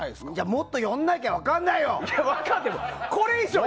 もっと寄んなきゃ分かんないよ！